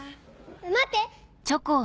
待って！